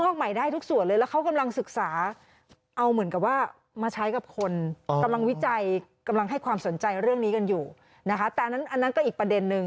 งอกใหม่ได้ทุกส่วนเลยแล้วเขากำลังศึกษาเอาเหมือนกับว่ามาใช้กับคนกำลังวิจัยกำลังให้ความสนใจเรื่องนี้กันอยู่นะคะแต่อันนั้นอันนั้นก็อีกประเด็นหนึ่ง